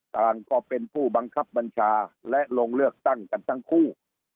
ก็เป็นผู้บังคับบัญชาและลงเลือกตั้งกันทั้งคู่